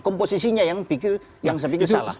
komposisinya yang saya pikir salah